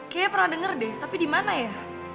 kayaknya pernah dengar deh tapi di mana ya